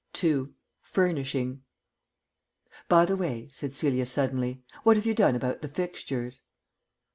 II. FURNISHING "By the way," said Celia suddenly, "what have you done about the fixtures?"